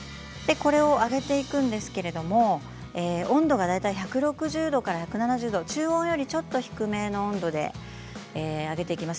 これを揚げていくんですが温度は１６０度から１７０度中温よりちょっと低めの温度で揚げていきます。